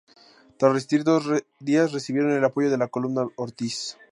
Tras resistir dos días recibieron el apoyo de la columna Ortiz.